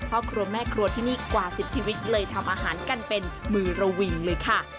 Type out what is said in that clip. ครอบครัวแม่ครัวที่นี่กว่า๑๐ชีวิตเลยทำอาหารกันเป็นมือระวิงเลยค่ะ